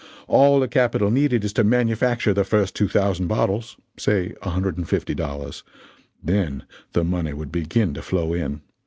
All the capital needed is to manufacture the first two thousand bottles say a hundred and fifty dollars then the money would begin to flow in.